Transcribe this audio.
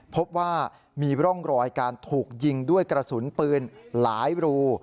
พบว่ามีร่องรอยการถูกยิงด้วยกระสุนปืนหลายรู